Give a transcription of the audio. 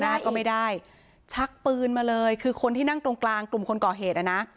ได้ก็ไม่ได้ชักปืนมาเลยคือคนที่นั่งตรงกลางกลุ่มคนก่อเหตุอ่ะนะ